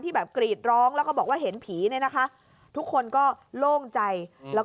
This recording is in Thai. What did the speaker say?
แบบกรีดร้องแล้วก็บอกว่าเห็นผีเนี่ยนะคะทุกคนก็โล่งใจแล้วก็